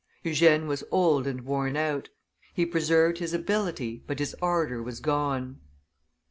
Eugene was old and worn out; he preserved his ability, but his ardor was gone.